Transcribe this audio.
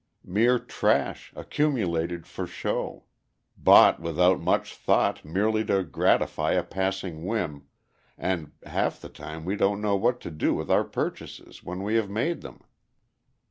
Mere trash, accumulated for show; bought without much thought merely to gratify a passing whim, and half the time we don't know what to do with our purchases when we have made them.